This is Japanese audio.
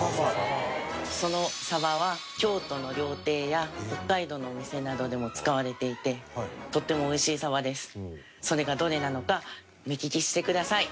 そのサバは京都の料亭や北海道のお店などでも使われていてとってもおいしいサバです。